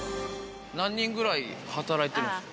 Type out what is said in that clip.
何人ぐらい働いているんですか。